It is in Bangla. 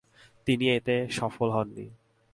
তিনি এতে সফল হননি।